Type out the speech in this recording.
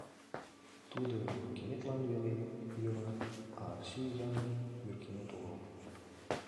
Тудо вуркеметлан веле йӧра, а Арси изан вӱркемет огыл.